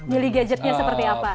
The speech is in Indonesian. milih gadgetnya seperti apa